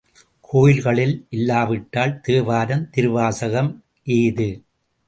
கோயில்கள் இல்லாவிட்டால் தேவாரம், திருவாசகம் ஏது?